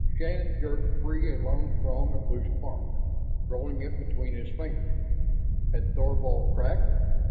Shann jerked free a long thong of loose bark, rolling it between his fingers. Had Thorvald cracked?